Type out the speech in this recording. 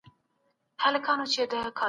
فرهنګي غنا د مطالعې له لاري ترلاسه کېږي.